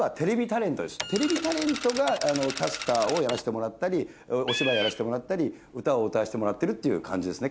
テレビタレントがキャスターをやらせてもらったりお芝居をやらせてもらったり歌を歌わせてもらってるっていう感じですね